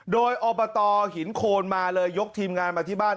โดยอบตหินโคนมาเลยยกทีมงานมาที่บ้าน